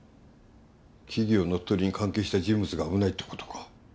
企業乗っ取りに関係した人物が危ないって事か。